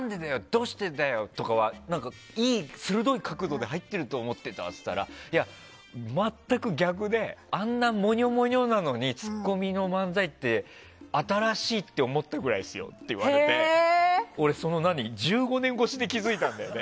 どうしてだよ！とか鋭い角度で入っていると思ってたと言ったら全く逆であんなモニョモニョなのにツッコミの漫才って新しいって思ったぐらいですよって言われて俺、１５年越しで気づいたんだよね。